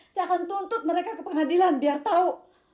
saya akan tuntut mereka ke pengadilan biar tahu